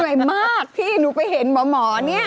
เค้าเหนื่อยมากที่หนูไปเห็นหมอนี่